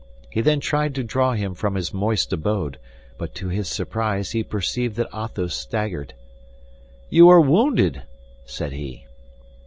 He then tried to draw him from his moist abode, but to his surprise he perceived that Athos staggered. "You are wounded," said he.